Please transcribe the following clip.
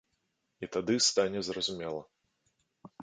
І тады стане зразумела.